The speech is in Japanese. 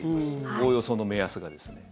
おおよその目安がですね。